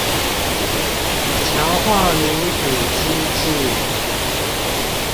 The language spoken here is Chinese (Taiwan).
強化民主機制